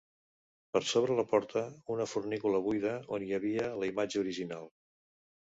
Per sobre la porta una fornícula buida on hi havia la imatge original.